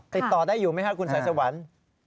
ติดต่อได้อยู่ไหมครับคุณสายสวรรค์